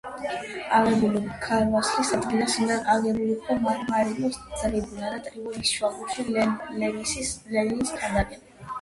აღებული ქარვასლის ადგილას უნდა აგებულიყო მარმარილოს ტრიბუნა და ტრიბუნის შუაგულში ლენინის ქანდაკება.